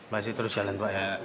masih terus jalan pak ya